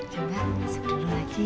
ya mbak masuk dulu lagi